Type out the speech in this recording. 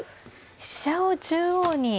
飛車を中央に。